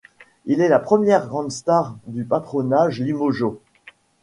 Il est la première grande star du patronage limougeaud.